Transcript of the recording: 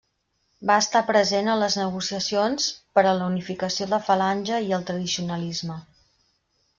Va estar present en les negociacions per a la unificació de Falange i el Tradicionalisme.